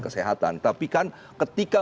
kesehatan tapi kan ketika